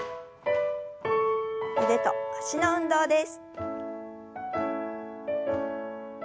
腕と脚の運動です。